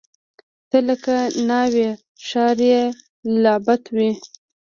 ته لکه ناوۍ، ښاري لعبته وې